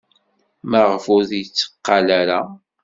Maɣef ur yetteqqal ara?